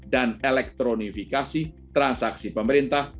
dan elektronifikasi transaksi pemerintah